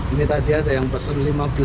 ini tadi ada yang pesen lima belas